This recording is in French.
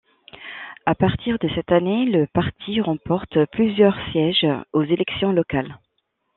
À partir de cette année, le parti remporte plusieurs sièges aux élections locales.